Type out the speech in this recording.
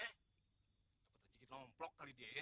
bete gigi lo memplok kali dia ya